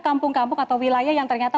kampung kampung atau wilayah yang ternyata